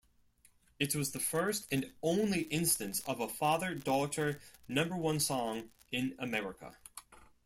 It was the first and only instance of a father-daughter number-one song in America.